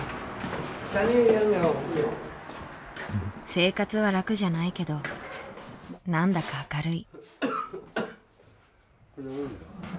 生活は楽じゃないけど何だか明るい。